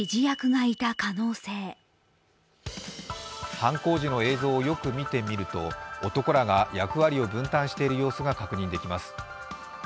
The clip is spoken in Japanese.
犯行時の映像をよく見てみると、男らが役割を分担している様子が確認できます。